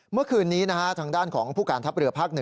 เมื่อคืนนี้ทางด้านของผู้การทัพเรือภาค๑